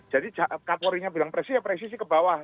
jadi kapolrinya bilang presisi ya presisi ke bawah